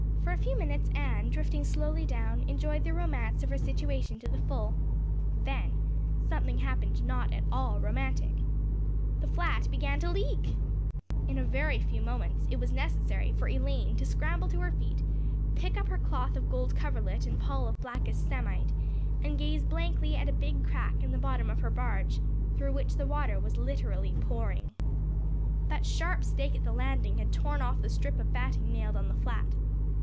For a few minutes Anne, drifting slowly down, enjoyed the romance of her situation to the full. Then something happened not at all romantic. The flat began to leak. In a very few moments it was necessary for Elaine to scramble to her feet, pick up her cloth of gold coverlet and pall of blackest samite and gaze blankly at a big crack in the bottom of her barge through which the water was literally pouring. That sharp stake at the landing had torn off the strip of batting nailed on the flat.